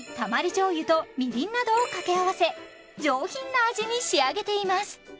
醤油とみりんなどを掛け合わせ上品な味に仕上げています